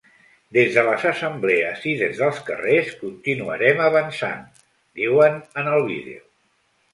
Des de les assemblees i des dels carrers, continuarem avançant, diuen en el vídeo.